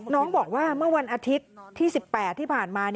น้องบอกว่าเมื่อวันอาทิตย์ที่๑๘ที่ผ่านมา